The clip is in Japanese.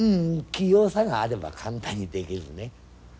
器用さがあれば簡単に出来るね。